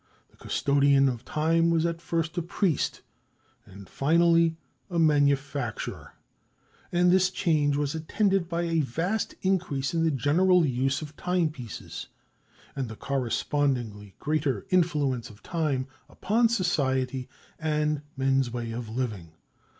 The custodian of time was at first a priest, and finally a manufacturer. And this change was attended by a vast increase in the general use of timepieces, and the correspondingly greater influence of time upon society and men's way of living.